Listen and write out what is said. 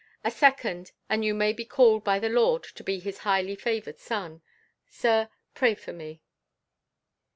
A second, and you may be called by the Lord to be His highly favoured son. Sir, pray for me."